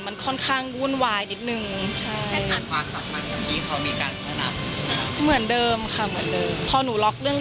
มันค่อนข้างวุ่นวายนิดหนึ่ง